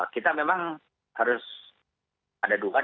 kita memang harus ada dugaan